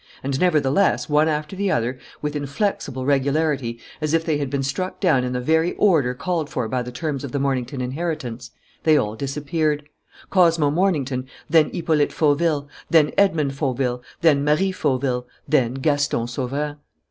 And, nevertheless, one after the other, with inflexible regularity, as if they had been struck down in the very order called for by the terms of the Mornington inheritance, they all disappeared: Cosmo Mornington, then Hippolyte Fauville, then Edmond Fauville, then Marie Fauville, then Gaston Sauverand.